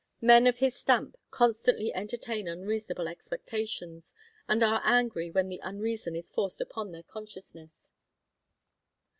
Men of his stamp constantly entertain unreasonable expectations, and are angry when the unreason is forced upon their consciousness.